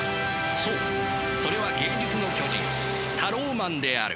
そうそれは芸術の巨人タローマンである！